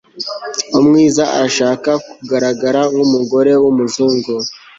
umwiza arashaka kugaragara nkumugore wumuzungu